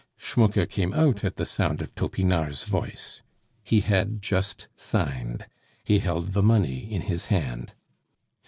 Schmucke came out at the sound of Topinard's voice. He had just signed. He held the money in his hand.